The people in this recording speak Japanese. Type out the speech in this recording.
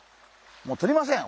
もうとりません。